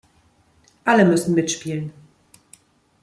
Alle müssen mitspielen.